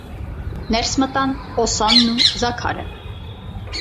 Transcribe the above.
ներս մտան Օսանն ու Զաքարը: